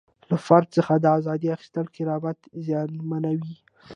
له فرد څخه د ازادۍ اخیستل کرامت زیانمنوي.